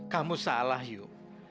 kamu salah yuh